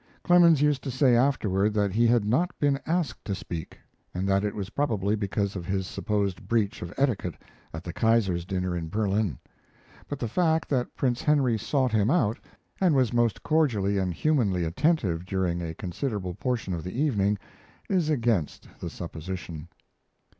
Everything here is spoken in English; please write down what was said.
Clemens used to say afterward that he had not been asked to speak, and that it was probably because of his supposed breach of etiquette at the Kaiser's dinner in Berlin; but the fact that Prince Henry sought him out, and was most cordially and humanly attentive during a considerable portion of the evening, is against the supposition.